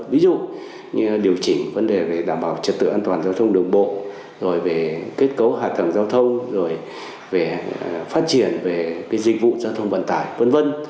ví dụ như điều chỉnh vấn đề về đảm bảo trật tự an toàn giao thông đường bộ rồi về kết cấu hạ tầng giao thông rồi về phát triển về dịch vụ giao thông vận tải v v